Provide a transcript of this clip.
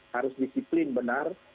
harus disiplin benar